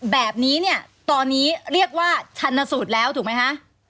แบบนี้เนี่ยตอนนี้เรียกว่าชันสูตรแล้วถูกไหมคะ